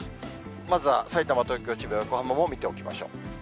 まずはさいたま、東京、千葉、横浜も見ておきましょう。